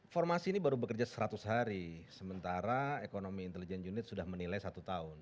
formasi ini baru bekerja seratus hari sementara ekonomi intelijen unit sudah menilai satu tahun